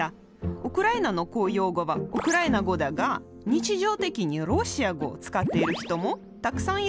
ウクライナの公用語はウクライナ語だが日常的にロシア語を使っている人もたくさんいる。